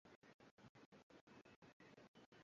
Pinda kulia, halafu pinda kushoto